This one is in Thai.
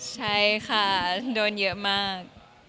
ใช่ค่ะโดนเยอะมาก